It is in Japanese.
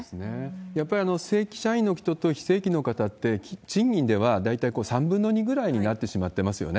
やっぱり正規社員の人と非正規の方って、賃金では大体３分の２ぐらいになってしまってますよね。